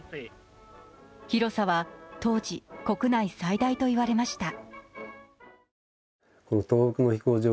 広さは当時国内最大といわれました。